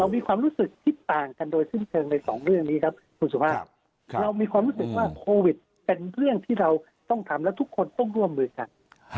เรามีความรู้สึกว่าโควิดเป็นเรื่องที่เราต้องทำและทุกคนต้องร่วมมือกัน